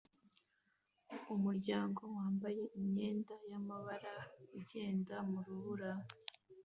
Umuryango wambaye imyenda y'amabara ugenda mu rubura